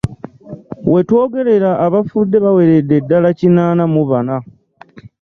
Wetwogerera abafudde baweredde ddala kinaana mu bana.